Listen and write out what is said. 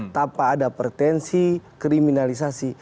tanpa ada pretensi kriminalisasi